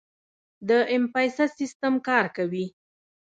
د ایم پیسه سیستم کار کوي؟